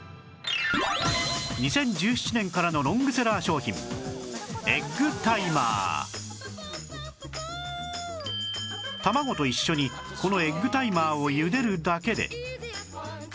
２０１７年からのロングセラー商品卵と一緒にこのエッグタイマーをゆでるだけで